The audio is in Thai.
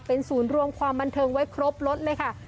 เป็นศูนย์รวมความบันเทิงไว้ครบรถเลยค่ะ